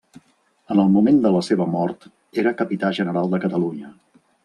En el moment de la seva mort era capità general de Catalunya.